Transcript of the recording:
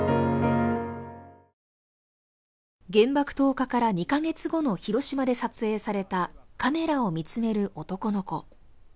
原爆投下から２カ月後の広島で撮影されたカメラを見つめる男の子。